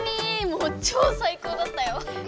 もうちょう最高だったよ。